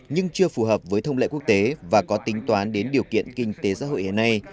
nhưng chưa phù hợp với thông lệ quốc tế và có tính toán đến điều kiện kinh tế xã hội hiện nay